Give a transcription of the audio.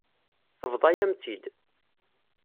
Tebḍa-yam-tt-id.